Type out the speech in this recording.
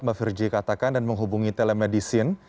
mbak firji katakan dan menghubungi telemedicine